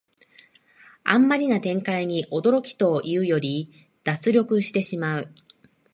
あんまりな展開に驚きというより脱力してしまう